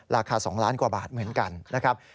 ราคา๒ล้านกว่าบาทเหมือนกันนะครับ